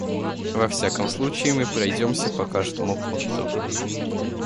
Во всяком случае, мы пройдемся по каждому пункту.